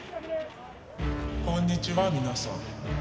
こんにちは皆さん